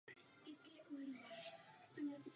Ve výzkumu se soustředil na problematiku fenomenologie.